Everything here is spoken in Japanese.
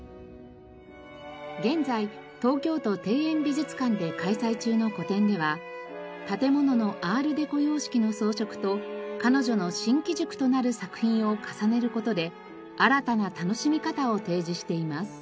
現在東京都庭園美術館で開催中の個展では建物のアール・デコ様式の装飾と彼女の新機軸となる作品を重ねる事で新たな楽しみ方を提示しています。